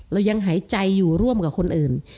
เรายังหายใจอยู่ร่วมกับคนอื่น